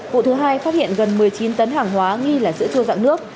vụ thứ hai phát hiện gần một mươi chín tấn hàng hóa nghi là sữa chua dạng nước